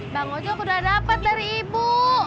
bang ojak udah dapet dari ibu